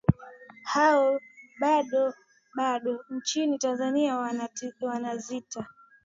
au boda boda nchini tanzania wanaziita